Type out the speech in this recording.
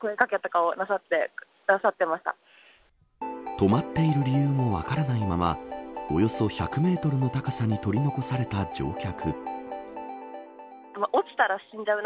止まっている理由も分からないままおよそ１００メートルの高さに取り残された乗客。